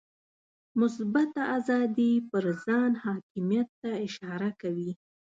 مثبته آزادي پر ځان حاکمیت ته اشاره کوي.